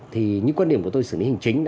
thì những quan điểm của tôi xử lý hành chính